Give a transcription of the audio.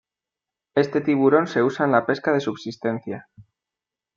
Este tiburón se usa en la pesca de subsistencia.